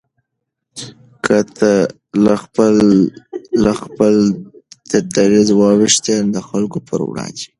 که ته له خپل دریځه واوښتې د خلکو پر وړاندې